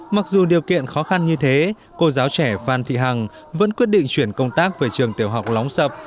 mặc dù điều kiện khó khăn như thế cô giáo trẻ phan thị hằng vẫn quyết định chuyển công tác về trường tiểu học lóng sập